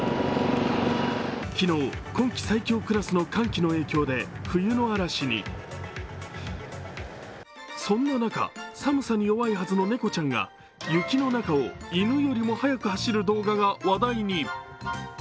昨日、今季最強クラスの寒気の影響で冬の嵐に、そんな中、寒さに弱いはずの猫ちゃんが雪の中を犬よりも速く走る動画が話題に。